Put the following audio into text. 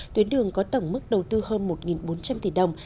tuyến đường có tổng mức đầu tư hơn một bốn trăm linh tỷ đồng